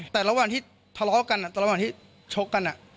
แต่ระหว่างที่ทะเลาะกันระหว่างที่ชกกัน